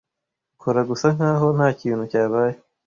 Kora gusa nkaho ntakintu cyabaye.